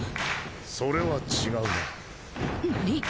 それは違うななに！？